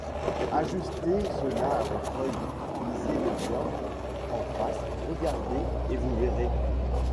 Ajustez cela à votre œil, visez le burg en face, regardez, et vous verrez.